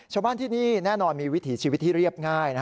ชาวบ้านที่นี่แน่นอนมีวิถีชีวิตที่เรียบง่าย